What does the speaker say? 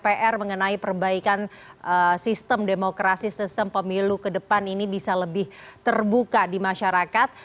pr mengenai perbaikan sistem demokrasi sistem pemilu ke depan ini bisa lebih terbuka di masyarakat